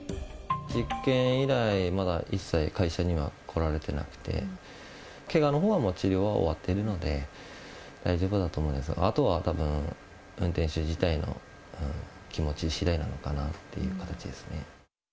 事件以来、まだ一切、会社には来られてなくて、けがのほうは、もう治療は終わってるので、大丈夫だと思うんですが、あとは運転手自体の気持ち次第なのかなっていう形ですね。